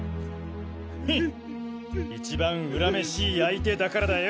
フン一番恨めしい相手だからだよ！